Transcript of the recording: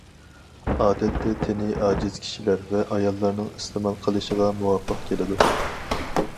ئادەتتە تېنى ئاجىز كىشىلەر ۋە ئاياللارنىڭ ئىستېمال قىلىشىغا مۇۋاپىق كېلىدۇ.